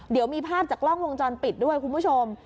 เดี๋ยวมีภาพจากกล้องวงจรปิดด้วยคุณผู้ชม